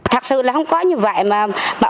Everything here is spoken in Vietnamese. thật sự là không có như vậy mà